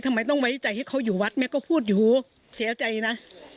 ทำไมต้องไว้ใจให้เขาอยู่วัดแม่ก็พูดอยู่เสียใจนะ